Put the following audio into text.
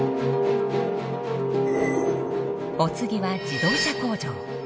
お次は自動車工場。